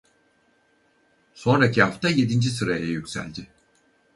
Sonraki hafta yedinci sıraya yükseldi.